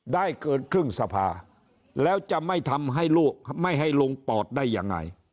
เกินครึ่งสภาแล้วจะไม่ทำให้ลูกไม่ให้ลงปอดได้ยังไง